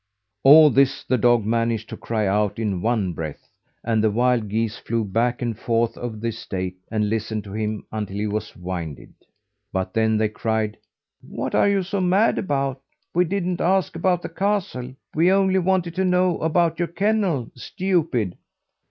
All this the dog managed to cry out in one breath; and the wild geese flew back and forth over the estate, and listened to him until he was winded. But then they cried: "What are you so mad about? We didn't ask about the castle; we only wanted to know about your kennel, stupid!"